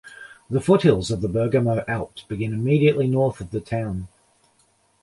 The foothills of the Bergamo Alps begin immediately north of the town.